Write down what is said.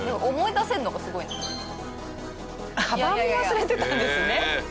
カバンも忘れてたんですね。